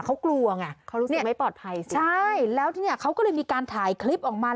เขากลัวไงเขารู้สึกไม่ปลอดภัยสิใช่แล้วที่เนี่ยเขาก็เลยมีการถ่ายคลิปออกมา